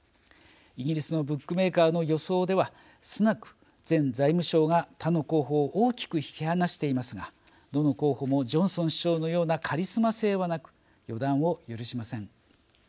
イギリスのブックメーカーの予想ではスナク前財務相が他の候補を大きく引き離していますがどの候補もジョンソン首相のようなカリスマ性はなく予断を許しません。